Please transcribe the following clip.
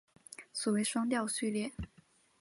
所谓双调序列。